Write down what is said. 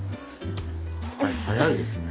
早いですね。